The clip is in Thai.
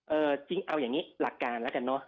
จริงเอาอย่างนี้หลักการแล้วกันเนอะ